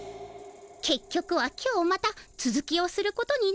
結局は今日またつづきをすることになったのでございます。